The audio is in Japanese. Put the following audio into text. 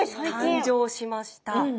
誕生しました。